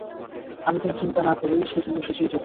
আমি যেন চিন্তা না করি সেজন্য সে চিন্তিত।